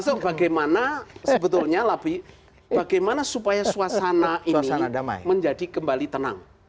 saya sebetulnya mau masuk bagaimana supaya suasana ini menjadi kembali tenang